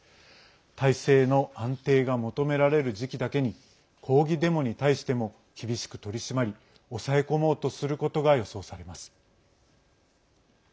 体制の安定が求められる時期だけに抗議デモに対しても厳しく取り締まり抑え込もうとすることが予想されます。